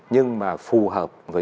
nhưng mà phù hợp với nguồn thứ hai